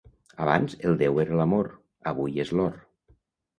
Abans el déu era l'amor, avui és l'or.